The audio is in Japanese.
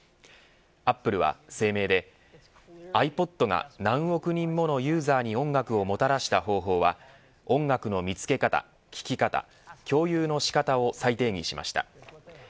アップルは声明でｉＰｏｄが何億人ものユーザーに音楽をもたらした方法は音楽の見つけ方聴き方、共有の仕方を再定義しました。